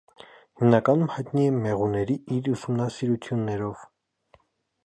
Հիմնականում հայտնի է մեղուների իր ուսումնասիրություններով։